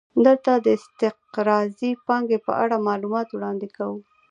دلته د استقراضي پانګې په اړه معلومات وړاندې کوو